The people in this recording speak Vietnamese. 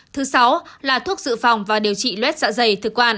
thứ sáu là thuốc dự phòng và điều trị luet dạ dây